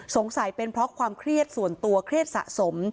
สงสัยเป็นเพราะความเครียดส่วนตัวเครียดสะสม